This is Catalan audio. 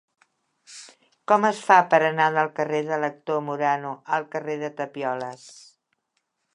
Com es fa per anar del carrer de l'Actor Morano al carrer de Tapioles?